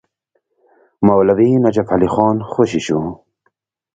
مولوي نجف علي خان خوشي شو.